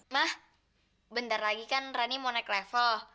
mah bentar lagi kan rani mau naik level